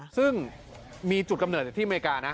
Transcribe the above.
ซึ่งมีจุดกำเนิดอยู่ที่อเมริกานะ